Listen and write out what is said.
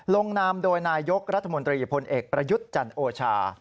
ลงนามโดยนายกรัฐมนตรีพลเอกประยุทธ์จันโอชา